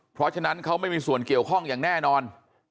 เพราะฉะนั้นเขาไม่มีส่วนเกี่ยวข้องอย่างแน่นอน